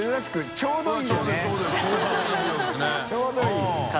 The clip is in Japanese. ちょうどいい。